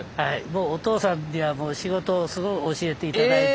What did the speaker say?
もうお父さんにはもう仕事をすごい教えて頂いて。